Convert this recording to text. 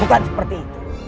bukan seperti itu